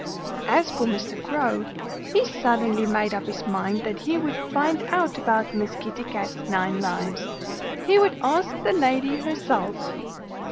As for Mr. Crow, he suddenly made up his mind that he would find out about Miss Kitty Cat's nine lives. He would ask that lady herself.